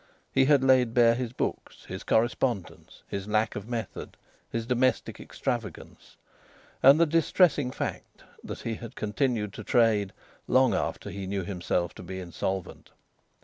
He had laid bare his books, his correspondence, his lack of method, his domestic extravagance, and the distressing fact that he had continued to trade long after he knew himself to be insolvent.